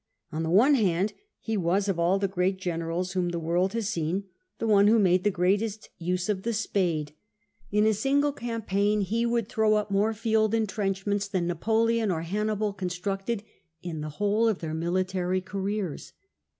On the one hand he was, of all the great generals whom the world has seen, the one who made the greatest use of the spade. In a single campaign he would throw up more field entrenchments than Napoleon or Hannibal constructed in the whole of their military careers.